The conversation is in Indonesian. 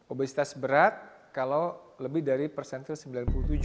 obesitas berat kalau lebih dari persentil sembilan puluh tujuh